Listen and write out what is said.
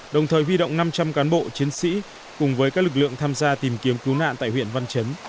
đồng thời huy động năm trăm linh cán bộ chiến sĩ cùng với các lực lượng tham gia tìm kiếm cứu nạn tại huyện văn chấn